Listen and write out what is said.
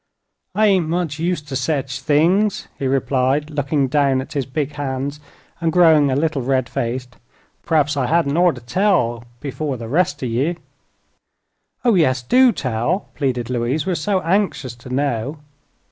"I ain't much used to sech things," he replied, looking down at his big hands and growing a little red faced. "P'raps I hadn't orter tell, before the rest o' ye." "Oh, yes; do tell!" pleaded Louise. "We're so anxious to know."